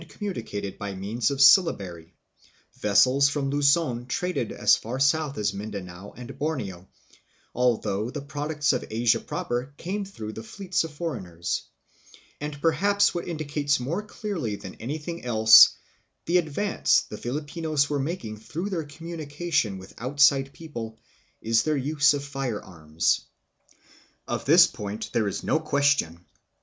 communicated by means of a syllabary; vessels from Lu zon traded as far south as Mindanao and Borneo, al though the products of Asia proper came through the fleets of foreigners; and perhaps what indicates more clearly than anything else the advance the Filipinos were making through their communication with outside people is their use of firearms. Of this point there is no ques tion.